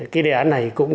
cái đề án này cũng